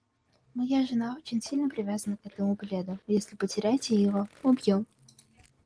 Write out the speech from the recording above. Моя жена очень сильно привязана к этому пледу. Если потеряете его — убью.